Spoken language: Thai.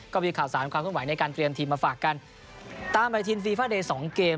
ก็มีข่าวสารความขึ้นไหวในการเตรียมทีมมาฝากกันตามไปทีมฟีฟาเดย์สองเกม